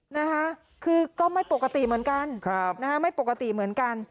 นะคะคือก็ไม่ปกติเหมือนกัน